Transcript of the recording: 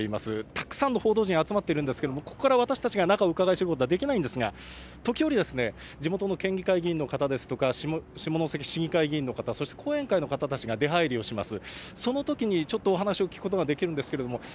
たくさんの報道陣が集まっているんですけどそこから私たちが中をうかがい知ることはできないんですが時折、地元の県議会議員の方ですとか下関市議会議員の方、そして後援会の方たちが出はいりをします。